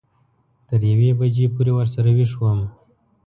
تر یوې بجې پورې ورسره وېښ وم.